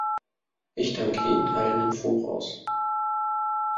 Ich danke Ihnen allen im Voraus.